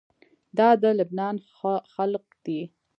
دا د لبنان خلق دي.